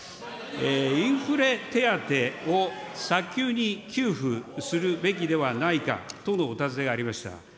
インフレ手当を早急に給付するべきではないかとのお尋ねがありました。